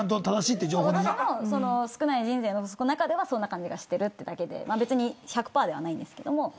私の少ない人生の中ではそんな感じがしてるってだけで別に１００％ではないんですけども。